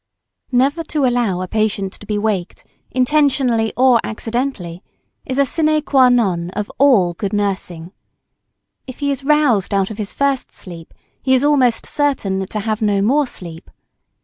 ] Never to allow a patient to be waked, intentionally or accidentally, is a sine qua non of all good nursing. If he is roused out of his first sleep, he is almost certain to have no more sleep.